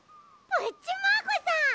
プッチマーゴさん！